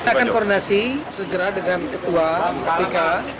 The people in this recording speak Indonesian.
kita akan koordinasi segera dengan ketua kpk